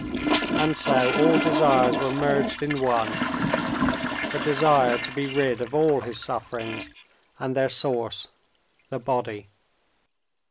And so all desires were merged in one—the desire to be rid of all his sufferings and their source, the body.